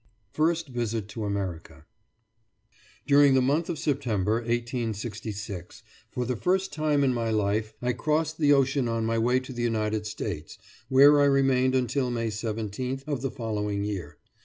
FIRST VISIT TO AMERICA During the month of September, 1866, for the first time in my life, I crossed the ocean on my way to the United States, where I remained until May 17th of the following year.